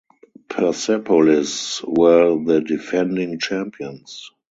Persepolis were the defending champions.